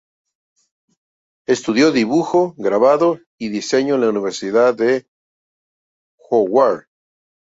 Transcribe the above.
Estudió dibujo, grabado y diseño en la Universidad de Howard.